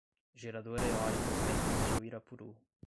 Geradora Eólica Ventos de Uirapuru